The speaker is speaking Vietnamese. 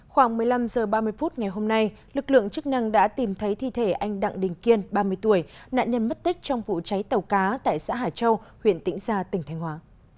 khoảng một mươi năm h ba mươi phút ngày hôm nay lực lượng chức năng đã tìm thấy thi thể anh đặng đình kiên ba mươi tuổi nạn nhân mất tích trong vụ cháy tàu cá tại xã hải châu huyện tĩnh gia tỉnh thanh hóa